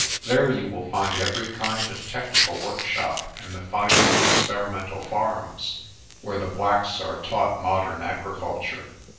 There you will find every kind of technical workshop and the finest experimental farms, where the blacks are taught modern agriculture.